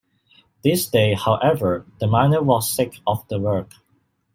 This day, however, the miner was sick of the work.